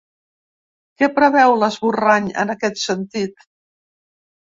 Què preveu, l’esborrany, en aquest sentit?